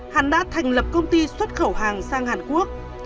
hắn đã thành lập công ty xuất khẩu hàng sang hàn quốc